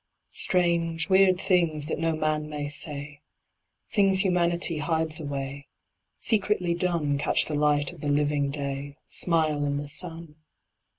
Strange, weird things that no man may say, Things Humanity hides away; Secretly done, Catch the light of the living day, Smile in the sun.